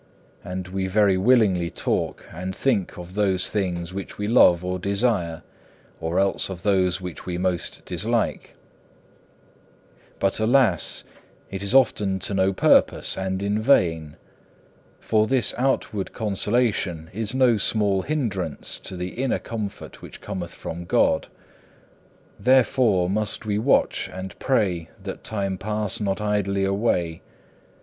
And we very willingly talk and think of those things which we love or desire, or else of those which we most dislike. 2. But alas! it is often to no purpose and in vain. For this outward consolation is no small hindrance to the inner comfort which cometh from God. Therefore must we watch and pray that time pass not idly away.